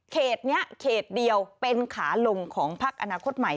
เขตนี้เขตเดียวเป็นขาลงของพักอนาคตใหม่